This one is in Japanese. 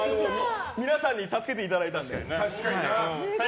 皆さんに助けていただいたので。